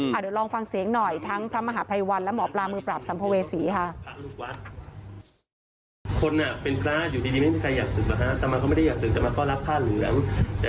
เดี๋ยวลองฟังเสียงหน่อยทั้งพระมหาภัยวันและหมอปลามือปราบสัมภเวษีค่ะ